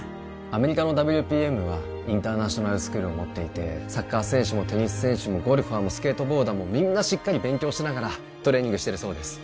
アメリカのＷＰＭはインターナショナルスクールを持っていてサッカー選手もテニス選手もゴルファーもスケートボーダーもみんなしっかり勉強しながらトレーニングしてるそうです